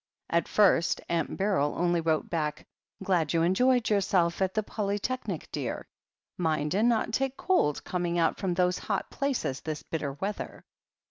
At first Aunt Beryl only wrote back, "Glad you en joyed yourself at the Polytechnic, dear ; mind and not take cold coming out from those hot places this bitter weather."